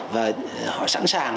và họ sẵn sàng